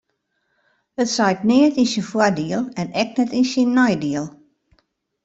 It seit neat yn syn foardiel en ek net yn syn neidiel.